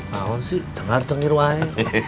mau sih jangan cengir cengir wai